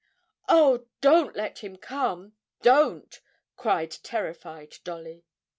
'Oh, don't let him come don't!' cried terrified Dolly.